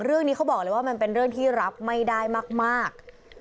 เรื่องนี้เขาบอกเลยว่ามันเป็นเรื่องที่รับไม่ได้มาก